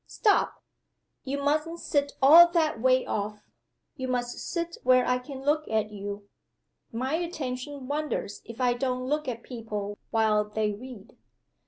Stop! You musn't sit all that way off you must sit where I can look at you. My attention wanders if I don't look at people while they read."